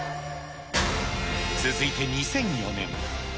続いて２００４年。